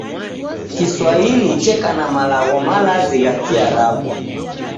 Kiswahili cheka na malagho malazi gha Kiarabu